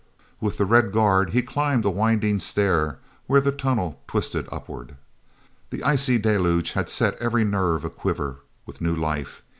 With the red guard he climbed a winding stair where the tunnel twisted upward. That icy deluge had set every nerve aquiver with new life.